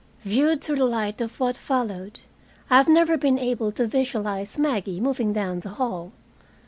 Viewed through the light of what followed, I have never been able to visualize Maggie moving down the hall.